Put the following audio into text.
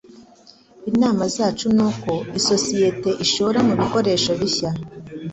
Inama zacu nuko isosiyete ishora mubikoresho bishya.